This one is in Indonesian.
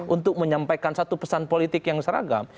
untuk menyampaikan satu pesan politik yang seragam